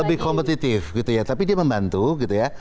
lebih kompetitif gitu ya tapi dia membantu gitu ya